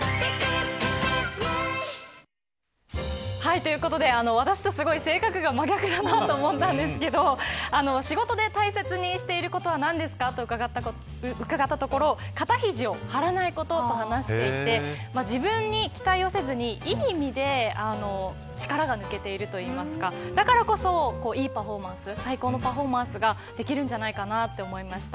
ということで私とすごい性格が真逆だと思ったんですけど仕事で大切にしていることは何ですかと伺ったところ肩肘を張らないことと話していて自分に期待をせずにいい意味で力が抜けているといいますかだからこそ、いいパフォーマンス最高のパフォーマンスができるんじゃないかなと思いました。